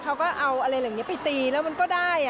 เขาก็เอาอะไรเหล่านี้ไปตีแล้วมันก็ได้